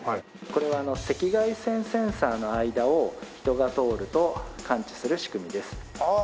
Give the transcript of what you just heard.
これは赤外線センサーの間を人が通ると感知する仕組みです。